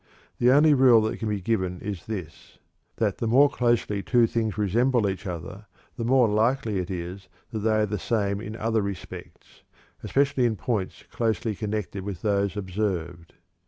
The only rule that can be given is this: That the more closely two things resemble each other, the more likely it is that they are the same in other respects, especially in points closely connected with those observed.